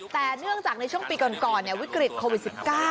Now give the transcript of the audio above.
แต่เนื่องจากในช่วงปีก่อนวิกฤตโควิด๑๙